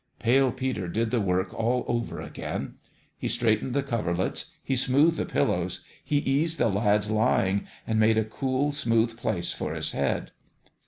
Pale Peter did the work all over again. He straightened the coverlets, he smoothed the pillows, he eased the lad's lying, and made a cool, smooth place for his head.